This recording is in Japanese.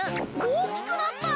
大きくなった！